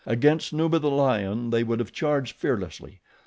Against Numa, the lion, they would have charged fearlessly.